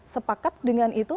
sepakat dengan itu